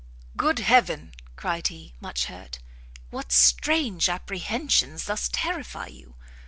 "Good heaven," cried he, much hurt, "what strange apprehensions thus terrify you?